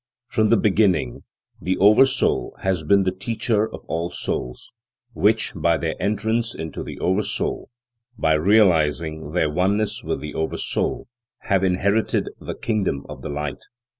From the beginning, the Oversoul has been the Teacher of all souls, which, by their entrance into the Oversoul, by realizing their oneness with the Oversoul, have inherited the kingdom of the Light.